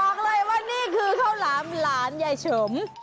บอกเลยว่านี่คือข้าวหลามหลานยายเฉิม